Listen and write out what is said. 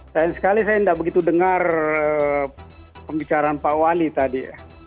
sayang sekali saya tidak begitu dengar pembicaraan pak wali tadi